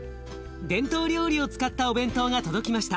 伝統料理を使ったお弁当が届きました。